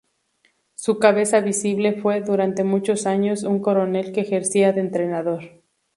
Su cabeza visible fue, durante muchos años, un coronel que ejercía de entrenador.